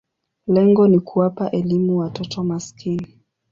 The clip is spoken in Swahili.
Lengo ni kuwapa elimu watoto maskini.